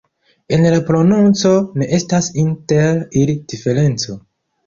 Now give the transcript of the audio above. En la prononco ne estas inter ili diferenco.